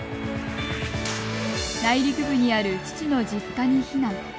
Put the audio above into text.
内陸部にある父の実家に避難。